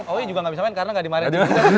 oh iya juga gak bisa main karena gak dimarahin